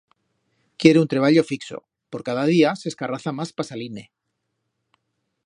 Quiere un treballo fixo, por cada día s'escarraza mas pa salir-ne.